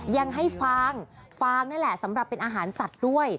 ยังให้ฟางฟางนั่นแหละสำหรับเป็นอาหารสัตว์ด้วย